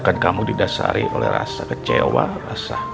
jangan ada yang n listener